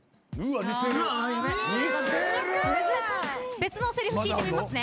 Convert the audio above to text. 別のせりふ聞いてみますね。